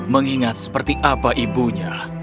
mengingat seperti apa ibunya